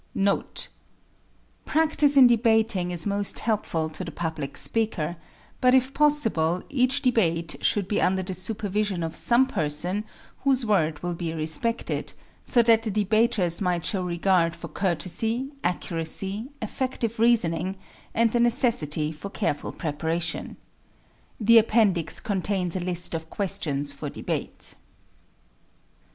NOTE: Practise in debating is most helpful to the public speaker, but if possible each debate should be under the supervision of some person whose word will be respected, so that the debaters might show regard for courtesy, accuracy, effective reasoning, and the necessity for careful preparation. The Appendix contains a list of questions for debate.